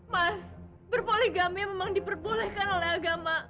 mas berpoligami memang diperbolehkan oleh agama